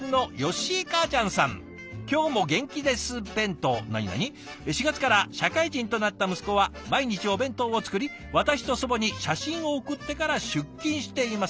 続いて何何「４月から社会人となった息子は毎日お弁当を作り私と祖母に写真を送ってから出勤しています」。